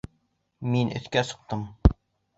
Мин өҫкә сыҡтым!